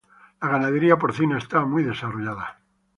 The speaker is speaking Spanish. La ganadería porcina está muy desarrollada.